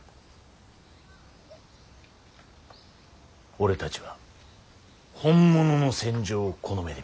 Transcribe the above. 俺たちは本物の戦場をこの目で見た。